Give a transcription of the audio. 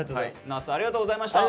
那須ありがとうございました。